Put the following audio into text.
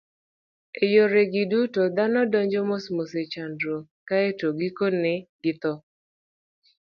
E yoregi duto, dhano donjo mosmos e chandruok, kae to gikone githo.